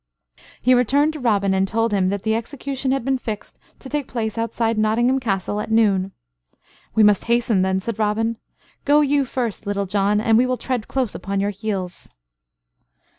He returned to Robin and told him that the execution had been fixed to take place outside Nottingham Castle at noon. "We must hasten then," said Robin. "Go you first, Little John; and we will tread close upon your heels."